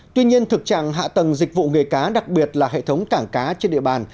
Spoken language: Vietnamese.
tuy nhiên thực trạng hạ tầng dịch vụ nghề cá đặc biệt là hệ thống cảng cá trên địa bàn